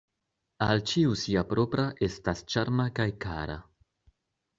Al ĉiu sia propra estas ĉarma kaj kara.